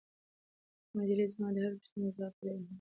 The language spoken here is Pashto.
نجلۍ زما د هرې پوښتنې ځواب په ډېر مهارت ورکاوه.